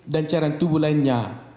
dan cairan tubuh lainnya